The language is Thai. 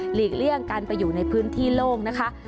เลี่ยงการไปอยู่ในพื้นที่โล่งนะคะ